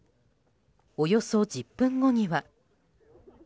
およそ１０分後には。